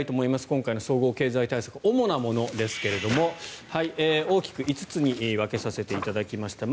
今回の総合経済対策主なものですが、大きく５つに分けさせていただきました。